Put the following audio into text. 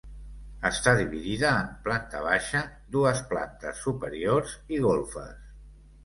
Està dividida en planta baixa, dues plantes superiors i golfes.